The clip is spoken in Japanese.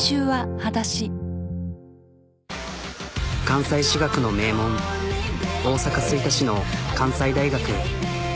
関西私学の名門大阪吹田市の関西大学。